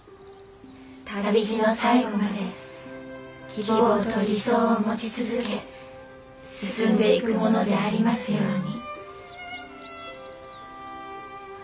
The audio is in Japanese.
旅路の最後まで希望と理想を持ち続け進んでいく者でありますように」。